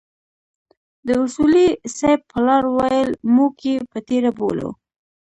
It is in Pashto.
د اصولي صیب پلار وويل موږ يې پتيره بولو.